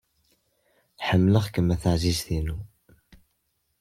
Ḥemmleɣ-kem a taɛzizt-inu!